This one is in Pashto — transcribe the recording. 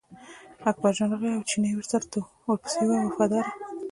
اکبرجان راغی او چینی ورپسې و وفاداره.